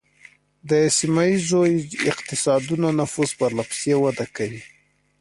د سیمه ایزو اقتصادونو نفوذ پرله پسې وده کوي